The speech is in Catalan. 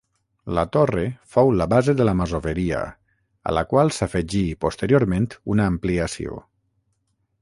La torre fou la base de la Masoveria, a la qual s'afegí posteriorment una ampliació.